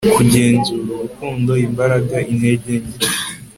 kugenzura, urukundo, imbaraga, intege nke